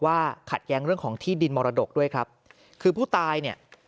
ขัดแย้งเรื่องของที่ดินมรดกด้วยครับคือผู้ตายเนี่ย